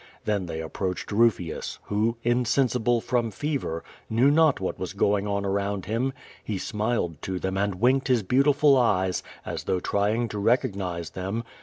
Then they approached Kufius, who, insensible from fever, knew not w hat was going on around him. • He smiled to them and winked his beautiful eyes, as though trying to recognize them.